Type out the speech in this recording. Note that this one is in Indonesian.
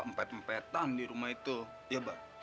empet empetan di rumah itu ya pak